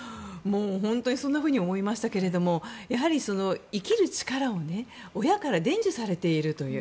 本当にそんなふうに思いましたがやはり、生きる力を親から伝授されているという。